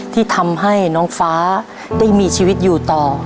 ที่ทำให้น้องฟ้าได้มีชีวิตอยู่ต่อ